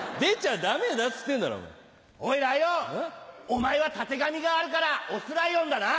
お前はたてがみがあるからオスライオンだな？